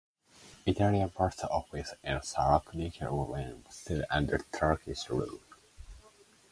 Italian Post Office in Salonika when still under Turkish rule.